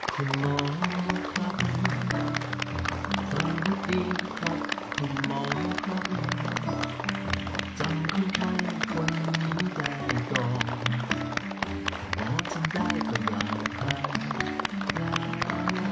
ด้วยเสียงปรับมือค่ะ